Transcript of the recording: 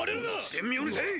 ・神妙にせい！